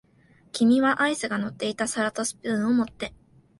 君はアイスが乗っていた皿とスプーンを持って、